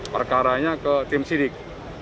perkara nya ke tim sidik